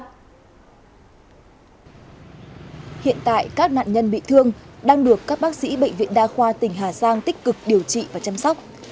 hiện tại các nạn nhân bị thương đang được các bác sĩ bệnh viện đa khoa tỉnh hà giang tích cực điều trị và chăm sóc